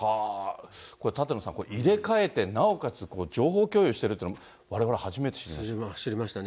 これ、舘野さん、入れ替えて、なおかつ情報共有してるって、われわれ初めて知りました。